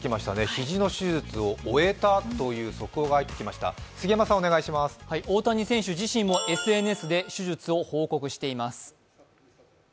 肘の手術を終えたという速報が入ってきました大谷選手自身もＳＮＳで手術を報告しています。